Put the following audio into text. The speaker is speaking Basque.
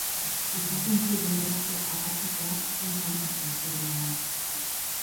Izaten ziren grazia apartekoak dantzan hasten zirenean.